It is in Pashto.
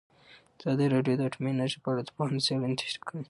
ازادي راډیو د اټومي انرژي په اړه د پوهانو څېړنې تشریح کړې.